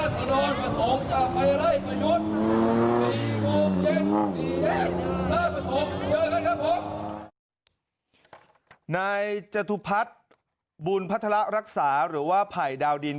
ก็ด้านหน้าอย่างแล้วครับนะครับนายเจธุพัฒน์บุญพัฒนารักษาหรือว่าภัยดาวดิน